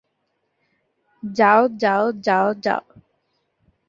যাও, যাও, যাও, যাও!